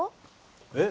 えっ？